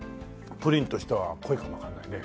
プリンとしては濃いかもわかんないね。